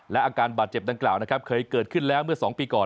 และอาการบาดเจ็บดังกล่าวนะครับเคยเกิดขึ้นแล้วเมื่อ๒ปีก่อน